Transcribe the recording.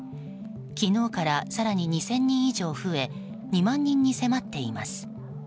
昨日から更に２０００人以上増え２万人に迫っています。